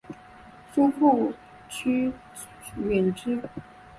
叔父瞿兑之。